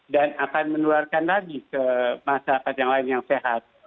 dan akan menularkan lagi ke masyarakat yang lain yang sehat